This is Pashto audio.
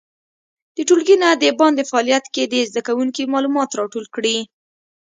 د ټولګي نه د باندې فعالیت کې دې زده کوونکي معلومات راټول کړي.